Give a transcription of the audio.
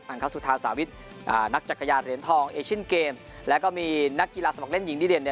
คสุธาสาวิทนักจักรยานเหรียญทองเอเชียนเกมส์แล้วก็มีนักกีฬาสมัครเล่นหญิงดีเด่น